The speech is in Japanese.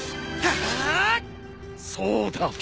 そうだ！